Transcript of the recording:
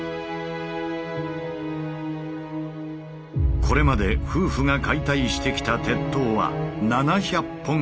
これまで夫婦が解体してきた鉄塔は７００本以上。